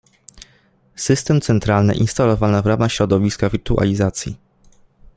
System centralny instalowany w ramach środowiska wirtualizacji